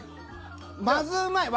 まずうまい。